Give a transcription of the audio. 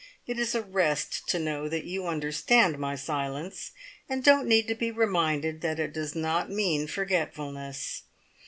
It is a rest to know that you understand my silence, and don't need to be reminded that it does not mean forgetfulness.